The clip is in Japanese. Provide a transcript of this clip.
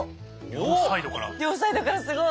両サイドからすごい。